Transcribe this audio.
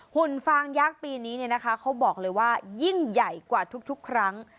ห่วงฟางยากปีนี้จะบอกว่ายิ่งใหญ่กว่าทุกครั้ง